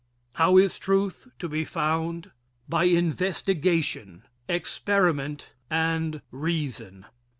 How is Truth to be Found? By investigation, experiment and reason.